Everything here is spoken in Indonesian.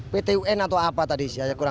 ptun atau apa tadi